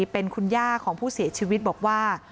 เป็นคุณย่าของผู้เสียชีวิตบอกว่า